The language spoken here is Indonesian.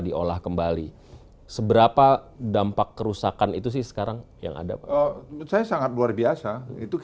diolah kembali seberapa dampak kerusakan itu sih sekarang yang ada menurut saya sangat luar biasa itu